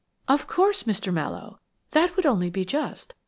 "Of course, Mr. Mallowe. That would only be just.